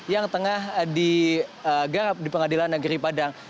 yang tengah digarap di pengadilan negeri padang